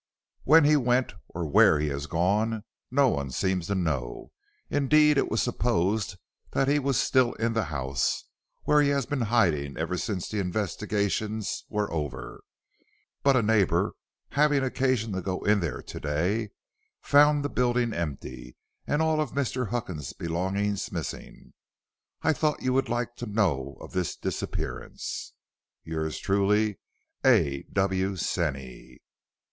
When he went or where he has gone, no one seems to know. Indeed, it was supposed that he was still in the house, where he has been hiding ever since the investigations were over, but a neighbor, having occasion to go in there to day, found the building empty, and all of Mr. Huckins' belongings missing. I thought you would like to know of this disappearance. Yours truly, A. W. SENEY.